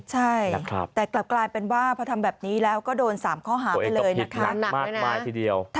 ใช่แต่กลับกลายเป็นว่าพอทำแบบนี้แล้วก็โดน๓ข้อหาไปเลยนะครับ